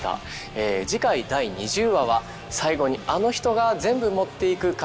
ええ次回第２０話は最後にあの人が全部持っていく回です。